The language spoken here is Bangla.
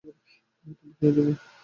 তুমিও খেয়ে যাবে।